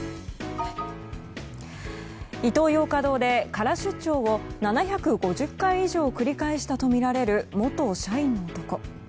イトーヨーカ堂で空出張を７５０回以上繰り返したとみられる元社員の男。